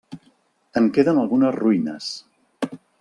En queden algunes ruïnes.